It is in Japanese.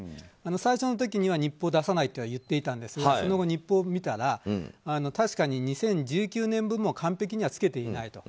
最初の時には日報を出さないと言っていたんですがその後、日報を見たら確かに２０１９年分も完璧にはつけていないと。